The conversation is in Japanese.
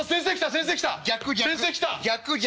先生来た！